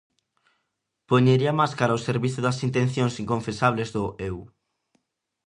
Poñería a máscara ó servizo das intencións inconfesables do "Eu".